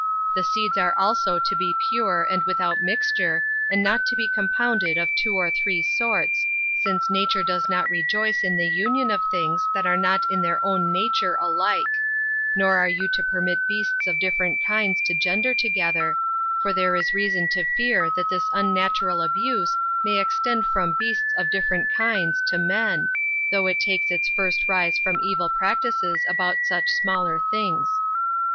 The seeds are also to be pure, and without mixture, and not to be compounded of two or three sorts, since nature does not rejoice in the union of things that are not in their own nature alike; nor are you to permit beasts of different kinds to gender together, for there is reason to fear that this unnatural abuse may extend from beasts of different kinds to men, though it takes its first rise from evil practices about such smaller things.